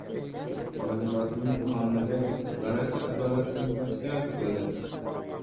Odamzodning qonida g‘alati adolatsizliklar bo‘ladi.